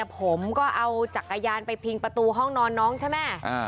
ผมก็เอาจักรยานไปพิงประตูห้องนอนน้องใช่ไหม